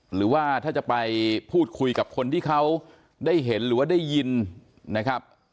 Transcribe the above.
หรือว่าถ้าจะไปพูดคุยกับคนที่เขาได้เห็นหรือว่าได้ยินนะครับ